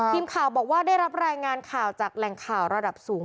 ทีมข่าวบอกว่าได้รับรายงานข่าวจากแหล่งข่าวระดับสูง